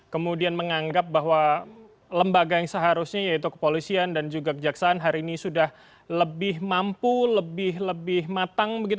kemudian menganggap bahwa lembaga yang seharusnya yaitu kepolisian dan juga kejaksaan hari ini sudah lebih mampu lebih matang begitu